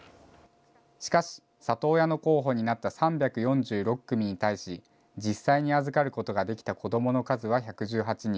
しかし、里親の候補になった３４６組に対し、実際に預かることができた子どもの数は１１８人。